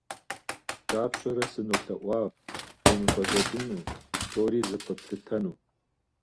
Дапщэрэ сынолъэӀуа уемыпӀэщӀэкӀыну, псори зэпэплъытэну?